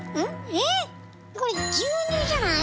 えっこれ牛乳じゃない？